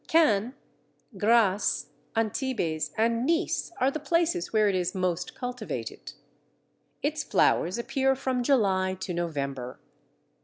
Cannes, Grasse, Antibes, and Nice are the places where it is most cultivated. Its flowers appear from July to November.